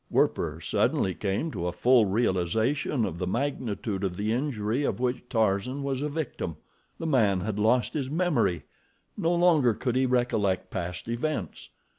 Werper suddenly came to a full realization of the magnitude of the injury of which Tarzan was a victim. The man had lost his memory—no longer could he recollect past events.